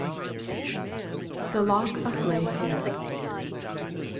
B. THE LOCK OF GRAY HAIR.